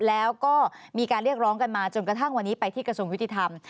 แล้วก็มีการเรียกร้องกันมาจนกระทั่งวันนี้ไปที่กระทรวงยุติธรรม